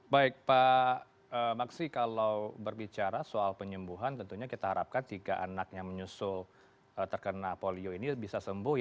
baik pak maksi kalau berbicara soal penyembuhan tentunya kita harapkan jika anak yang menyusul terkena polio ini bisa sembuh